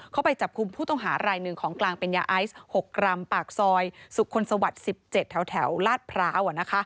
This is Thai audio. ไปจับคุมผู้ต้องหารายหนึ่งของกลางเป็นยาไอซ์๖กรัมปากซอยสุขคลสวัสดิ์๑๗แถวลาดพร้าว